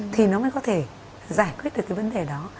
thì nó mới có thể giải quyết được cái vấn đề đó